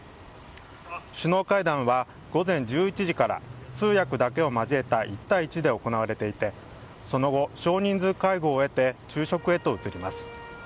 首脳会談は午前１１時から、通訳だけを交えた１対１で行われていて、その後、少人数会合を経て、昼食へと移ります。